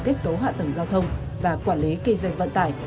kết cấu hạ tầng giao thông và quản lý kinh doanh vận tải